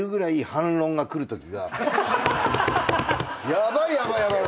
ヤバいヤバいヤバい